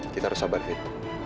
kita harus sabar fit